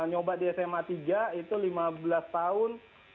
nyoba di sma tiga itu lima belas tahun